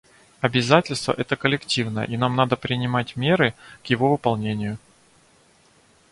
Обязательство это коллективное, и нам надо принимать меры к его выполнению.